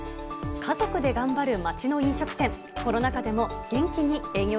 家族で頑張る町の飲食店。